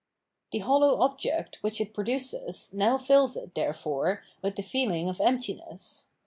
The hollow object, which it produces, now fills it, therefore, with the feehng of emptiness.